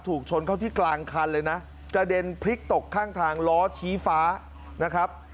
ถูกชนเข้าที่กลางคันเลยนะกระเด็นพลิกตกข้างทางล้อชี้ฟ้านะครับ